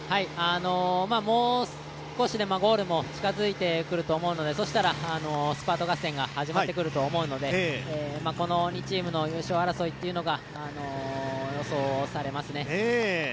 もう少しでゴールも近づいてくると思うのでそうしたらスパート合戦が始まってくると思うので、この２チームの優勝争いが予想されますね。